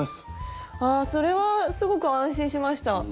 あそれはすごく安心しました。